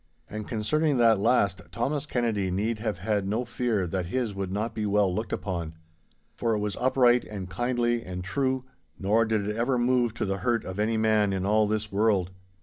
And concerning that last Thomas Kennedy need have had no fear that his would not be well looked upon—for it was upright, and kindly, and true, nor did it ever move to the hurt of any man in all this world.